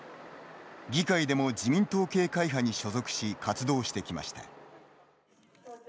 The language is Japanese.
議会でも、自民党系会派に所属し活動してきました。